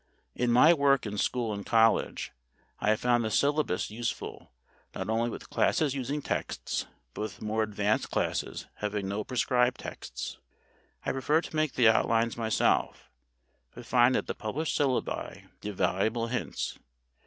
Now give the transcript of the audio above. In my work in school and college I have found the syllabus useful not only with classes using texts, but with more advanced classes having no prescribed texts. I prefer to make the outlines myself, but find that the published syllabi give valuable hints.